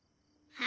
は？